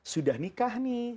sudah nikah nih